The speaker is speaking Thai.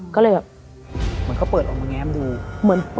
ก็เลยแบบเหมือนเขาเปิดออกมาแง้มดูเหมือน